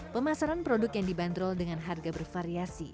pemasaran produk yang dibanderol dengan harga bervariasi